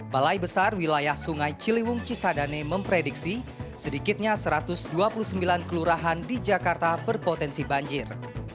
balai besar wilayah sungai ciliwung cisadane memprediksi sedikitnya satu ratus dua puluh sembilan kelurahan di jakarta berpotensi banjir